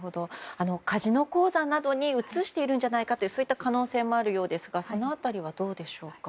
カジノ口座などに移しているんじゃないかというそういった可能性もあるようですがその辺りはどうでしょうか？